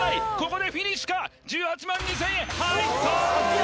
ここでフィニッシュか１８２０００円入った！